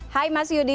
hai mas yudi